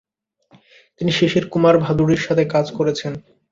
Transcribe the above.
তিনি শিশির কুমার ভাদুড়ির সাথে কাজ করেছেন।